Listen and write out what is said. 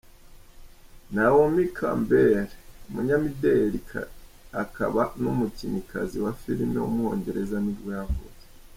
Naomi Campbell, umunyamideli akaba n’umukinnyikazi wa filime w’umwongereza ni bwo yavutse.